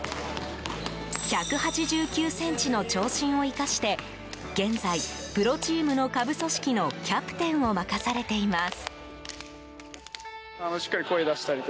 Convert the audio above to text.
１８９ｃｍの長身を生かして現在、プロチームの下部組織のキャプテンを任されています。